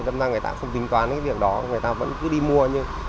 năm nay người ta không tính toán cái việc đó người ta vẫn cứ đi mua